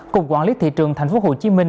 cục quản lý thị trường thành phố hồ chí minh